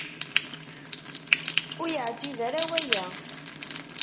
Ur yi-yeεǧib ara waya.